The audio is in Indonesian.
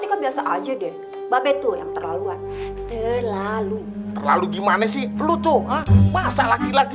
tika biasa aja deh babek tuh yang terlaluan terlalu terlalu gimana sih lu tuh masa laki laki